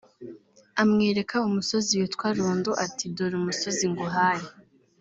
amwereka umusozi witwa Rundu ati “Dore umusozi nguhaye